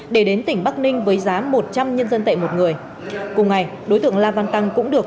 để đến tỉnh bắc ninh với giá một trăm linh nhân dân tệ một người cùng ngày đối tượng la văn tăng cũng được